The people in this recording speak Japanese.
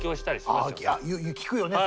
聞くよね